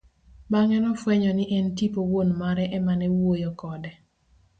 Bang'e nofwenyo ni en tipo wuon mare emane wuoyo kode.